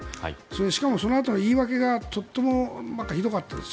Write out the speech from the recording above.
しかもそのあとも言い訳がとってもひどかったです。